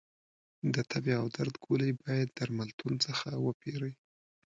د تبې او درد ګولۍ باید درملتون څخه وپېری